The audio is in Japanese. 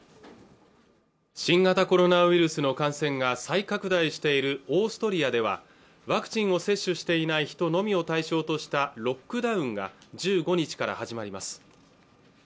新型コロナウイルスの感染が再拡大しているオーストリアではワクチンを接種していない人のみを対象としたロックダウンが１５日から始まります